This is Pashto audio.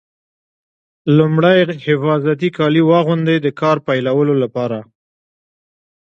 لومړی حفاظتي کالي واغوندئ د کار پیلولو لپاره.